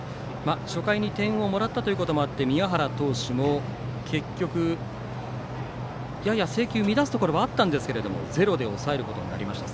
初回に点をもらったということもあって宮原投手やや制球を乱すところもあったんですがゼロで抑えることになりました。